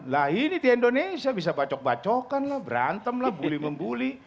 lah ini di indonesia bisa bacok bacokan lah berantem lah bully membuli